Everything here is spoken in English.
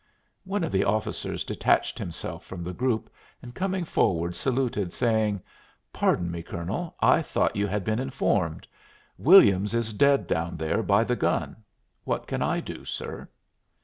One of the officers detached himself from the group and coming forward saluted, saying: "Pardon me, Colonel, I thought you had been informed. Williams is dead down there by the gun. What can I do, sir?"